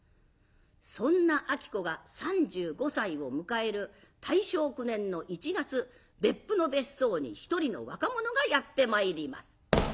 そんな子が３５歳を迎える大正９年の１月別府の別荘に一人の若者がやって参ります。